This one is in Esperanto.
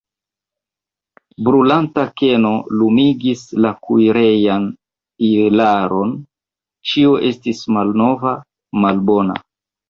Brulanta keno lumigis la kuirejan ilaron, ĉio estis malnova, malbona.